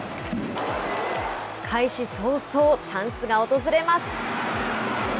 開始早々、チャンスが訪れます。